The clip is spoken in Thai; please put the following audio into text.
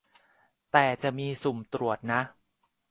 แต่จะมีสุ่มตรวจนะ